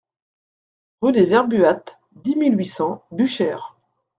Rue des Herbuates, dix mille huit cents Buchères